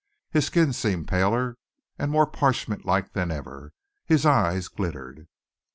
His skin seemed paler and more parchment like than ever. His eyes glittered.